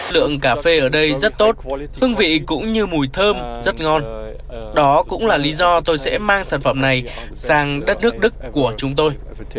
lượng cà phê ở đây rất tốt hương vị cũng như mùi thơm rất ngon đó cũng là lý do tôi sẽ mang sản phẩm này sang đất nước đức của chúng tôi